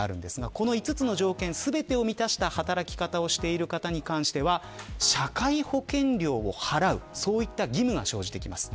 この５つの条件全てを満たした働き方をしている人に関しては社会保険料を払うそういった義務が生じます。